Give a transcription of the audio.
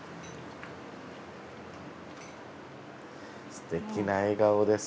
すてきな笑顔です。